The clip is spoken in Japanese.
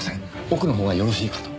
奥の方がよろしいかと。